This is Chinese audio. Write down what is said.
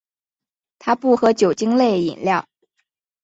他不喝酒精类饮料。